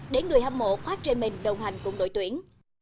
để người hâm mộ khoát trên mình đồng hành cùng đội tuyển